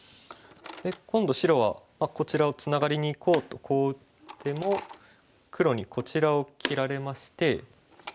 今度白はこちらをツナがりにいこうとこう打っても黒にこちらを切られまして。